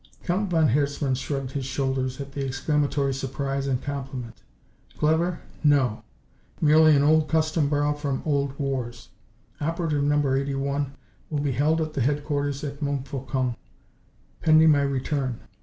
_" Count von Herzmann shrugged his shoulders at the exclamatory surprise and compliment. "Clever? No. Merely an old custom borrowed from old wars. Operative Number Eighty one will be held at the headquarters at Montfaucon pending my return.